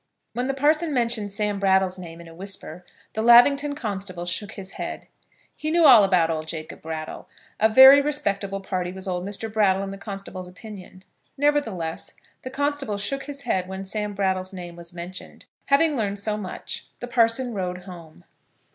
When the parson mentioned Sam Brattle's name in a whisper, the Lavington constable shook his head. He knew all about old Jacob Brattle. A very respectable party was old Mr. Brattle in the constable's opinion. Nevertheless the constable shook his head when Sam Brattle's name was mentioned. Having learned so much, the parson rode home.